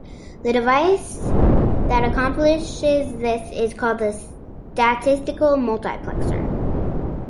The device that accomplishes this is called a statistical multiplexer.